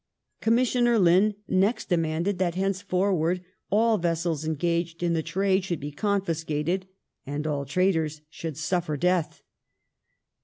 Commissioner Lin next demanded that henceforward all vessels engaged in the trade should be confiscated, and all traders should suffer death.